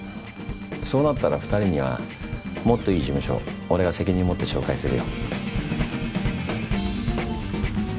そうなったら２人にはもっといい事務所俺が責任持って紹介するよ。